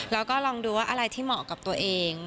แล้วก็ลองดูว่าอะไรที่เหมาะกับตัวเอง